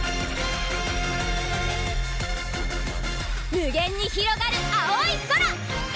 無限にひろがる青い空！